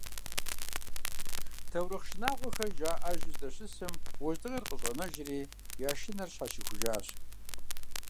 Таурыхъ шынагъуэхэр жаӏэжу здэщысым, уэздыгъэр къыщӏэнэжыри, я шынэр щхьэщихужащ.